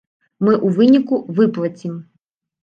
Мы ў выніку выплацім.